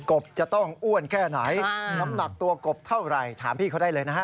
บจะต้องอ้วนแค่ไหนน้ำหนักตัวกบเท่าไหร่ถามพี่เขาได้เลยนะฮะ